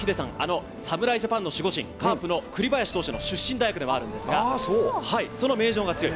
名城は、ヒデさん、あの侍ジャパンの守護神、カープのくりばやし投手の出身大学でもあるんですが、その名城が強い。